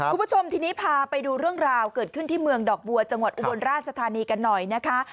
คุณผู้ชมทีนี้พาไปดูเรื่องราวเกิดขึ้นที่เมืองดอกบัวจังหวัดอุบลราชธานีกันหน่อยนะคะ